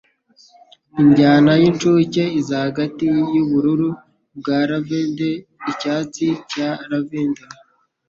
Injyana y'incuke, iza hagati ya "ubururu bwa lavender" & "icyatsi cya lavender"